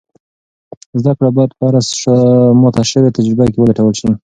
زده کړه باید په هره ماته شوې تجربه کې ولټول شي.